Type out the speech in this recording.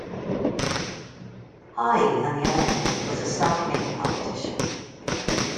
Haughey on the other hand was a self-made politician.